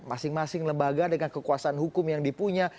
masing masing lembaga dengan kekuasaan hukum yang dipunya